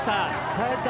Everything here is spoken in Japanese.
耐えた。